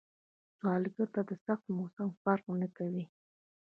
سوالګر ته سخت موسم فرق نه کوي